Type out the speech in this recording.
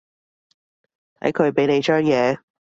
睇佢畀你張嘢